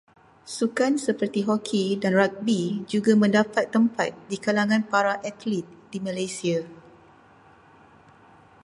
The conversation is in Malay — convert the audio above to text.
Sukan seperti hoki dan ragbi juga mendapat tempat di kalangan para atlit di Malaysia.